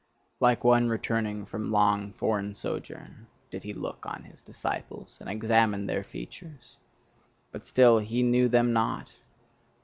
Like one returning from long foreign sojourn did he look on his disciples, and examined their features; but still he knew them not.